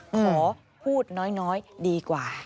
ขอพูดน้อยดีกว่า